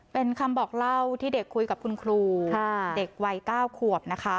เป็นคำบอกเล่าที่เด็กคุยกับคุณครูเด็กวัย๙ขวบนะคะ